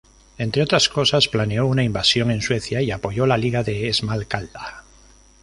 Entre otras cosas, planeó una invasión en Suecia y apoyó la Liga de Esmalcalda.